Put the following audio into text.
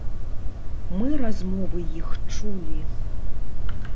Мы размовы іх чулі.